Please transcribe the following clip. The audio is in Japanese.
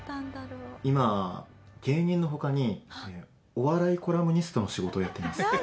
今芸人の他にお笑いコラムニストの仕事をやっています。